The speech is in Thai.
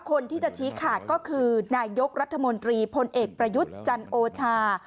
คนที่จะชี้ขาดก็คือนายกรัฐมนตรีพลเอกประยุทธ์จันโอชา